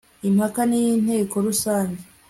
impaka n inteko rusange